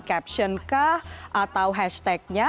caption kah atau hashtag nya